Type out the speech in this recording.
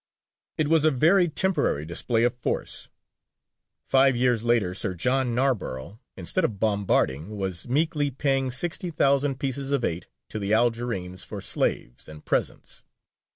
It was a very temporary display of force. Five years later Sir John Narborough, instead of bombarding, was meekly paying sixty thousand "pieces of eight" to the Algerines for slaves and presents.